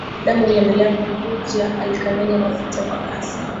Damu iliendelea kuvuja alikanyaga Mafuta kwa kasi